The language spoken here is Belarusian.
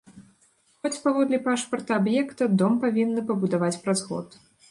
Хоць, паводле пашпарта аб'екта, дом павінны пабудаваць праз год.